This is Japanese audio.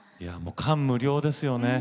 感無量ですね。